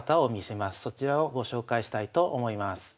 そちらをご紹介したいと思います。